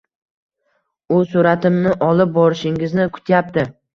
U suratimni olib borishingizni kutyapti